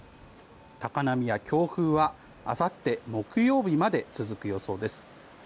高波や強風はあさって木曜日まで続く予想です。